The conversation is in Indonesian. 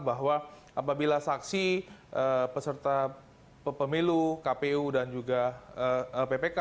bahwa apabila saksi peserta pemilu kpu dan juga ppk